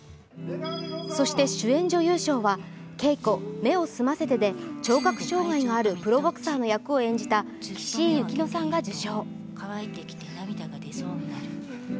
そして主演女優賞は、「ケイコ目を澄ませて」で聴覚障害があるプロボクサーを演じた岸井ゆきのさんが受賞。